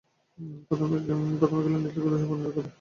প্রথমে গেল নীল থেকে ধূসর বর্ণের ঘরে।